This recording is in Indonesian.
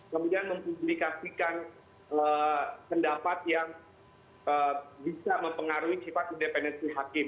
kemudian mempublikasikan pendapat yang bisa mempengaruhi sifat independensi hakim